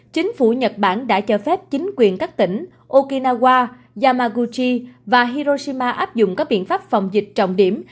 chính phủ nhật bản đã cho phép chính quyền các tỉnh okinawa yamaguchi và hiroshima áp dụng các biện pháp phòng dịch trọng điểm